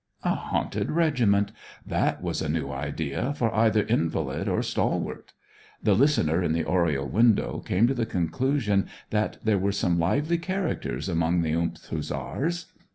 A haunted regiment: that was a new idea for either invalid or stalwart. The listener in the oriel came to the conclusion that there were some lively characters among the th Hussars.